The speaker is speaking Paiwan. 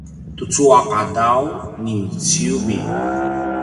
tucu a qadaw niciubi